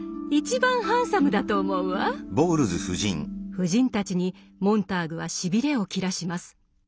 夫人たちにモンターグはしびれを切らします。